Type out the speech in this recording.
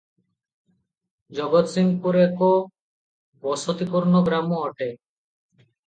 ଜଗତ୍ସିଂହପୁର ଏକ ବସତିପୂର୍ଣ୍ଣ ଗ୍ରାମ ଅଟେ ।